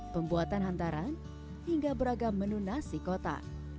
pembuatan hantaran hingga beragam menu nasi kota